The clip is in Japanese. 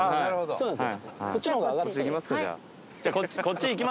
そうなんですよ。